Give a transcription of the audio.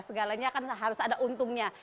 segalanya kan harus ada untungnya